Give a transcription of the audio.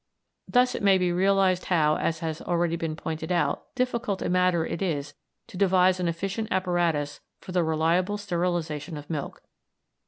Thus it may be realised how, as has been already pointed out, difficult a matter it is to devise an efficient apparatus for the reliable sterilisation of milk.